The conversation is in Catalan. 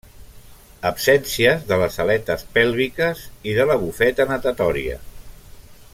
Absències de les aletes pèlviques i de la bufeta natatòria.